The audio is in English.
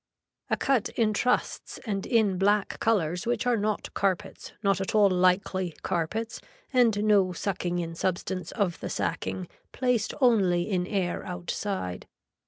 A cut in trusts and in black colors which are not carpets not at all likely carpets and no sucking in substance of the sacking placed only in air outside.